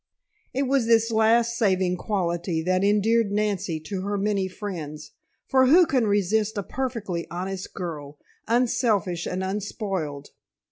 It was this last saving quality that endeared Nancy to her many friends, for who can resist a perfectly honest girl, unselfish, and unspoiled?